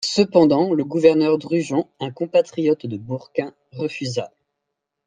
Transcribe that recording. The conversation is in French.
Cependant le gouverneur Drugeon, un compatriote de Bourquin, refusa.